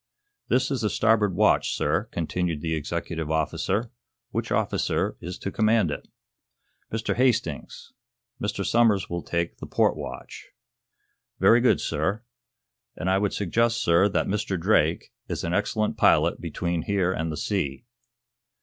"This is the starboard watch, sir," continued the executive officer. "Which officer is to command it?" "Mr. Hastings. Mr. Somers will take the port watch." "Very good, sir. And I would suggest, sir, that Mr. Drake is an excellent pilot between here and the sea."